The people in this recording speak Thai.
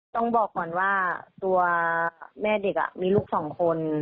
ต้องบอกก่อนว่าตัวแม่เด็กมีลูกสองคน